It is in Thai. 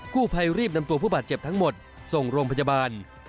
ผู้ภัยรีบนำตัวผู้บาดเจ็บทั้งหมดส่งโรงพยาบาล